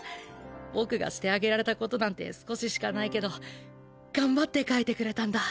僕がしてあげられた事なんて少ししか無いけど頑張って書いてくれたんだ。